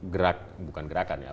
gerak bukan gerakan ya